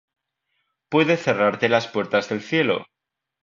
puede cerrarte las puertas del cielo